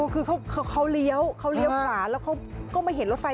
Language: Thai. คือเขาเลี้ยวขวาแล้วเขาก็ไม่เห็นรถไฟ